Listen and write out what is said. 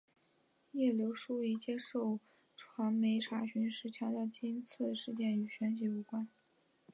叶刘淑仪接受传媒查询时强调今次事件与选举无关。